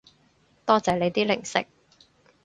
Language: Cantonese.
多謝你啲零食